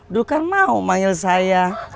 dulu kan mau manggil saya